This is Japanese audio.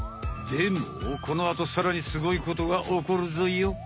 でもこのあとさらにすごいことがおこるぞよ。